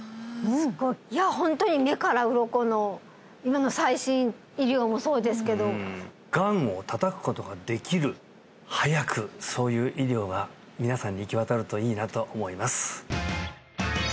すごいいやホントに目からウロコの今の最新医療もそうですけどがんを叩くことができる早くそういう医療が皆さんに行き渡るといいなと思います